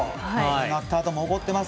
なったあとも怒ってます。